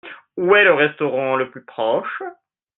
Où est le restaurant le plus proche ?